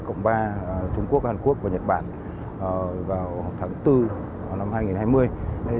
cộng ba trung quốc hàn quốc và nhật bản vào tháng bốn năm hai nghìn hai mươi